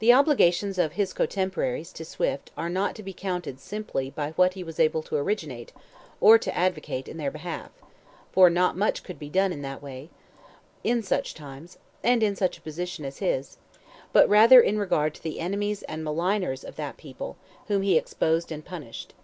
The obligations of his cotemporaries to Swift are not to be counted simply by what he was able to originate or to advocate in their behalf—for not much could be done in that way, in such times, and in such a position as his—but rather in regard to the enemies and maligners of that people, whom he exposed and punished.